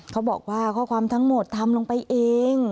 เขาบอกว่าข้อความทั้งหมดทำลงไปเอง